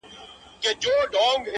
داسي څانګه به له کومه څوک پیدا کړي-